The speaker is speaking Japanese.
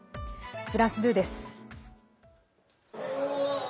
フランス２です。